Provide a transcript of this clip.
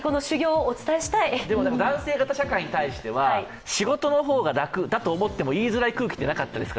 でも男性型社会にとっては、仕事の方が楽だと言いづらい空気ってなかったですか？